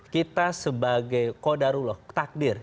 kita sebagai kodaruloh takdir